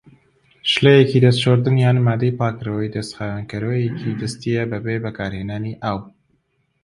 شلەیەکی دەست شۆردن یان مادەی پاکەرەوەی دەست خاوێنکەرەوەیەکی دەستیە بەبێ بەکارهێنانی ئاو.